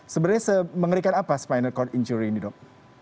sebenarnya mengerikan apa spinal cord injury ini dok